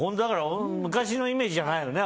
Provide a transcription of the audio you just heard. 昔のイメージじゃないよね。